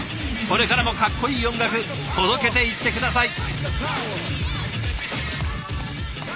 これからもかっこいい音楽届けていって下さい。